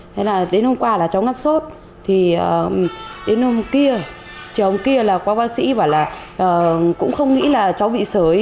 thế là đến hôm qua là cháu ngắt sốt thì đến hôm kia trường kia là qua bác sĩ bảo là cũng không nghĩ là cháu bị sởi